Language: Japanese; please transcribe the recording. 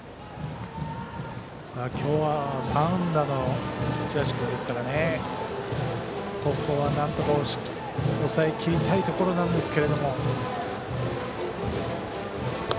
今日は３安打の市橋君ですからここはなんとか抑えきりたいところなんですが。